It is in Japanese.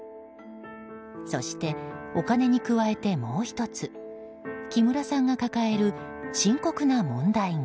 そして、お金に加えてもう１つ木村さんが抱える深刻な問題が。